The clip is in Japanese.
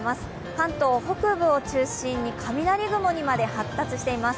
関東北部を中心に雷雲にまで発達しています。